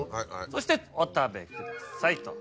そしてお食べくださいと。